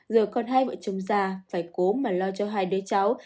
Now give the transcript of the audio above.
giờ còn hai vợ chồng già phải cố mà lo cho hai đứa cháu